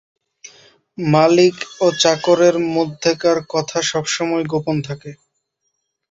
মালিক ও চাকরের মধ্যেকার কথা সবসময়ই গোপন থাকে।